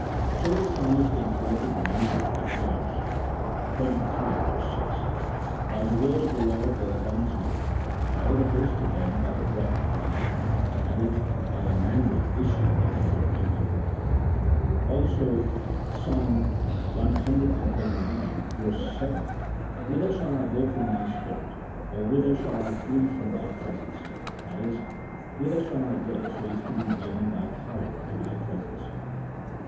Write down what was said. So the Psalmist in poetic language declares, xxxiii. 6, " By the word of the Lord were the heavens made, and all the host of them by the breath of His mouth," i.e. by a mandate issued, as it were, in one breath. Also Ps. cxxxix. 7, " Whither shall I go from Thy Spirit, or whither shall I flee from Thy pre sence?" i.e. whither shall I go so as to be beyond Thy power and Thy presence